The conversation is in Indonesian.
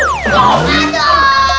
itu siapa itu